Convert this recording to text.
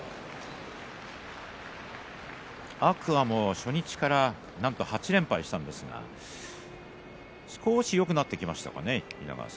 天空海も初日から８連敗したんですが少しよくなってきましたかね。